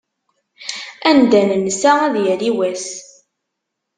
Anda nensa, ad yali wass.